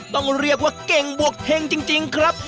ต้องเรียกว่าเก่งบวกเฮงจริงครับ